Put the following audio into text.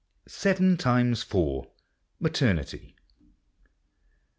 SEVEN TIMES FOUR. MATERNITY.